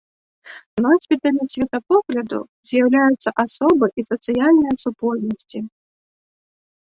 Носьбітамі светапогляду з'яўляюцца асобы і сацыяльныя супольнасці.